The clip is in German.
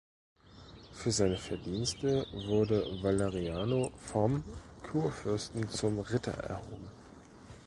Für seine Verdienste wurde Valeriano vom Kurfürsten zum Ritter erhoben.